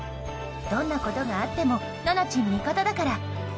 どんなことがあってもななちん味方だから。